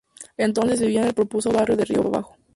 Entonces, vivía en el populoso barrio de Río Abajo.